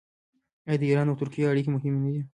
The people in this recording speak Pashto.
آیا د ایران او ترکیې اړیکې مهمې نه دي؟